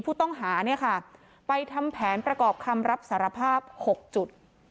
ผู้ต้องหาเนี่ยค่ะไปทำแผนประกอบคำรับสารภาพ๖จุด